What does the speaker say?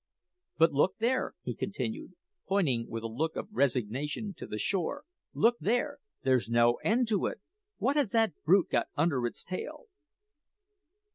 But look there!" he continued, pointing with a look of resignation to the shore "look there! there's no end to it. What has that brute got under its tail?"